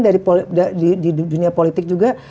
dari di dunia politik juga